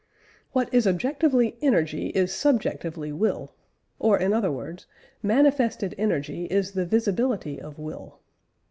"What is objectively energy is subjectively will; or, in other words, manifested energy is the visibility of will."